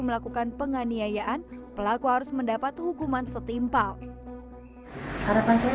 melakukan penganiayaan pelaku harus mendapat hukuman setimpal harapan saya